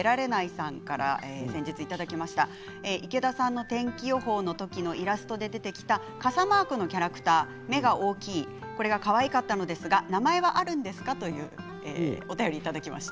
先日いただきました池田さんの天気予報の時のイラストで出てきた傘マークのキャラクター目が大きい、これがかわいかったのですが名前はあるんですか？というお便りをいただきました。